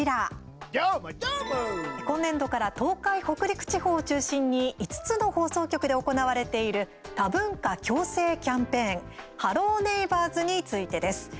今年度から東海・北陸地方を中心に５つの放送局で行われている多文化共生キャンペーン「ハロー！ネイバーズ」についてです。